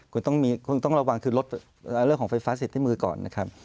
คุณต้องระวังคือลดเรื่องของไฟฟ้าเสร็จที่มือก่อนนะครับ